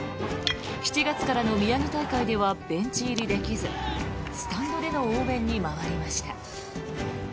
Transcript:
７月からの宮城大会ではベンチ入りできずスタンドでの応援に回りました。